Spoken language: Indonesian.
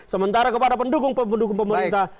sementara kepada pendukung pendukung pemerintah